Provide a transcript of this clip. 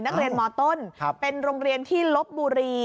นักเรียนมต้นเป็นโรงเรียนที่ลบบุรี